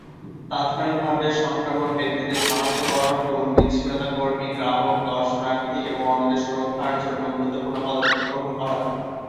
তাৎক্ষণিকভাবে সংক্রামক ব্যক্তিদের সনাক্তকরণ এবং বিচ্ছিন্নতা কর্মী, গ্রাহক, দর্শনার্থী এবং অন্যদের সুরক্ষার জন্য গুরুত্বপূর্ণ পদক্ষেপ গ্রহণ করা।